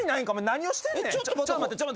何をしてんねん。